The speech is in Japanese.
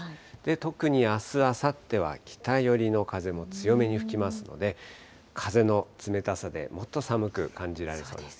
特にあす、あさっては北寄りの風も強めに吹きますので、風の冷たさでもっと寒く感じられそうですね。